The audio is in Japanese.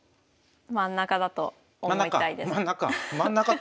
真ん中だと思いたいです。